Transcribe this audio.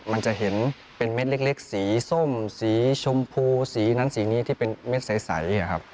มันจะเห็นเป็นเม็ดเล็กสีส้มสีชมพูสีนั้นสีนี้ที่เป็นเม็ดใส